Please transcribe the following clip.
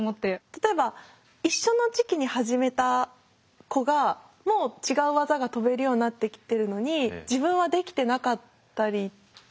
例えば一緒の時期に始めた子がもう違う技が跳べるようになってきてるのに自分はできてなかったり。